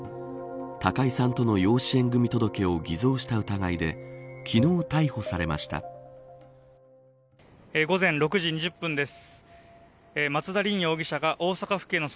高井さんとの養子縁組届を偽造した疑いで午前６時２０分です。